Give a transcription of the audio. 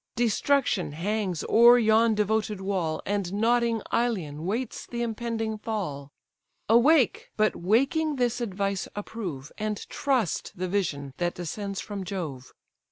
Destruction hangs o'er yon devoted wall, And nodding Ilion waits the impending fall. Awake, but waking this advice approve, And trust the vision that descends from Jove."